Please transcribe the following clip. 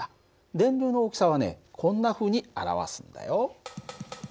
電流の大きさはねこんなふうに表すんだよ。